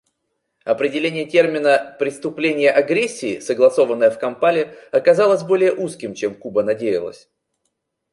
Определение термина «преступление агрессии», согласованное в Кампале, оказалось более узким, чем Куба надеялась.